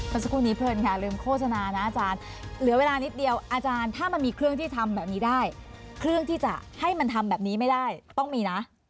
สักครู่นี้เพลินค่ะลืมโฆษณานะอาจารย์เหลือเวลานิดเดียวอาจารย์ถ้ามันมีเครื่องที่ทำแบบนี้ได้เครื่องที่จะให้มันทำแบบนี้ไม่ได้ต้องมีนะ